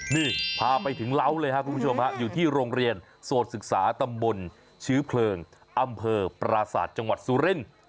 นี่พาไปถึงเล้าเลยครับคุณผู้ชมฮะอยู่ที่โรงเรียนโสดศึกษาตำบลเชื้อเพลิงอำเภอปราศาสตร์จังหวัดสุรินทร์